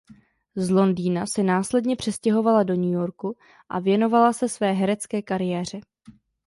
Z Londýna se následně přestěhovala do New Yorku a věnovala se své herecké kariéře.